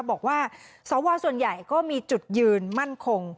บอกว่าสวส่วนใหญ่ก็มีจุดยืนมั่นคง